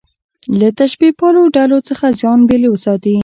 له تشبیه پالو ډلو څخه ځان بېل وساتي.